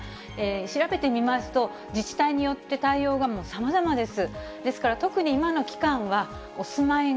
調べてみますと、自治体によって対応がさまざまです。